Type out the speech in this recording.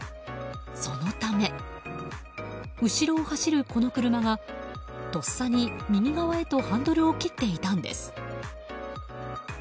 そのため、後ろを走るこの車がとっさに右側へとハンドルを切っていたんです。